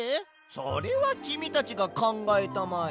それはきみたちがかんがえたまえ。